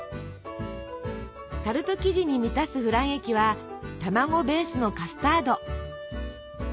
タルト生地に満たすフラン液は卵ベースのカスタード。